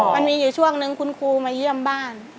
มันมีอยู่ช่วงนึงคุณครูมาเยี่ยมบ้าน